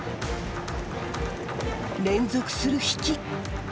連続する引き。